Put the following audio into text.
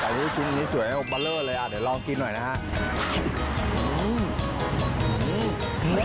ขายไปดูชิ้นนี้สวยไว้ปะเล่นเลยโอ้เดี๋ยวลองกินหน่อยนะครับ